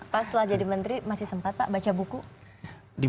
pak setelah jadi menteri masih sempat pak baca buku